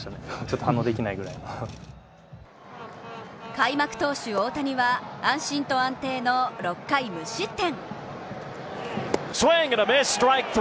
開幕投手・大谷は安心と安定の６回無失点。